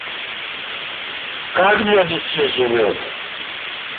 Как для души живет?